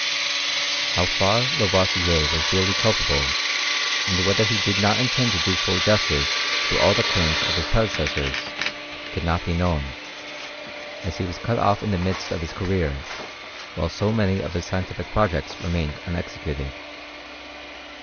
How far Lavoisier was really culpable, and whether he did not intend to do full justice to all the claims of his predecessors, cannot now be known ; as he was cut off in the midst of his career, while so many of his scientific projects re mained unexecuted.